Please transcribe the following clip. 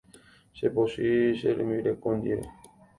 Chepochy che rembireko ndive.